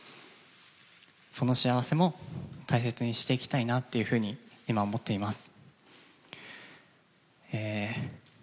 その幸せも大切にしていきたいなというふうに今、思っています。